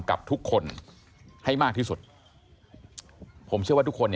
กับทุกคนให้มากที่สุดผมเชื่อว่าทุกคน